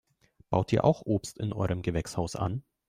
Baut ihr auch Obst in eurem Gewächshaus an?